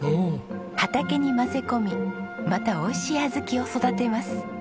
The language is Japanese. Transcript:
畑に混ぜ込みまた美味しい小豆を育てます。